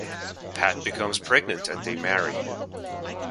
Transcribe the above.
Pat becomes pregnant and they marry.